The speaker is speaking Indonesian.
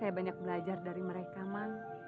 saya banyak belajar dari mereka man